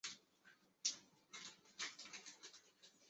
可编程输入输出传输数据的一种方法。